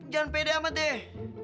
jangan pede amat deh